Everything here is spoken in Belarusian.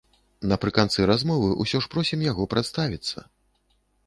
Напрыканцы размовы ўсё ж просім яго прадставіцца.